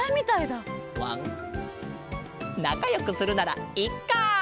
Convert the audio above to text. なかよくするならいっか！